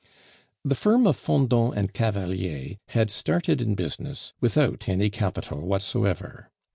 The firm of Fendant and Cavalier had started in business without any capital whatsoever.